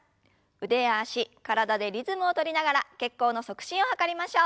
腕や脚体でリズムを取りながら血行の促進を図りましょう。